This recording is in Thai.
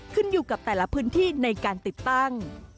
ขึ้นอยู่กับแต่ละพื้นที่ในการติดตั้ง